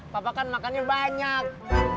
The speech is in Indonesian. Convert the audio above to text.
papa kan makannya banyak